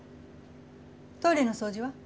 トイレの掃除は？